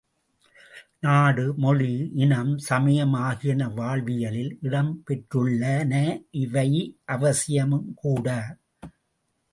நாடு, மொழி, இனம், சமயம் ஆகியன வாழ்வியலில் இடம் பெற்றுள்ளன இவை அவசியமும்கூட!